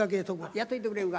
やっといてくれるか。